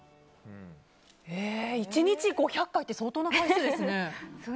１日５００回って相当な数ですね。